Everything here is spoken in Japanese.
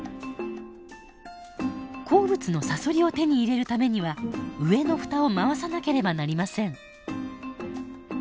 好物のサソリを手に入れるためには上のフタを回さなければなりません。